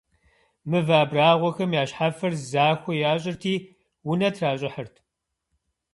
Мывэ абрагъуэхэм я щхьэфэр захуэ ящӏырти, унэ тращӏыхьырт.